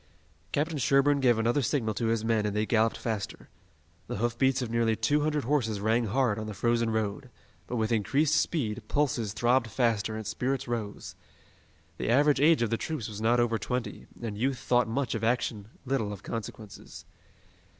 Captain Sherburne gave another signal to his men and they galloped faster. The hoofbeats of nearly two hundred horses rang hard on the frozen road, but with increased speed pulses throbbed faster and spirits rose. The average age of the troops was not over twenty, and youth thought much of action, little of consequences.